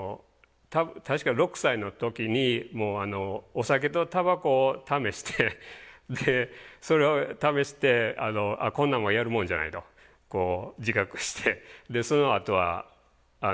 確か６歳の時にもうお酒とタバコを試してでそれを試して「こんなもんやるもんじゃない」と自覚してそのあとはやめたんですけど。